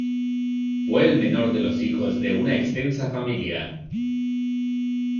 Fue el menor de los hijos de una extensa familia.